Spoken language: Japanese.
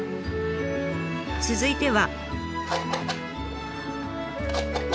続いては。